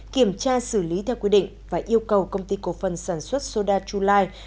kiểm tra xử lý theo quy định và yêu cầu công ty cổ phần sản xuất soda chulai